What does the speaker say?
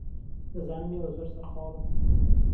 دەزانم ئێوە زۆر سەرقاڵن.